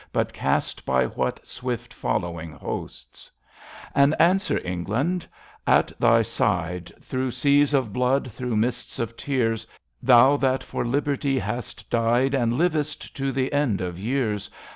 But cast by what swift following hosts ! And answer, England ! A t thy side. Thro' seas of blood, thro 7nists of tears. Thou that for Liberty hast died And livest, to the end of years.